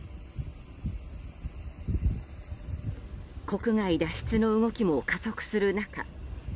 国外脱出の動きも加速する中